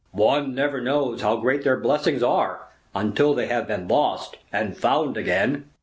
"One never knows how great their blessings are until they have been lost and found again."